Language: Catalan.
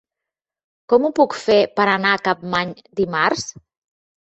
Com ho puc fer per anar a Capmany dimarts?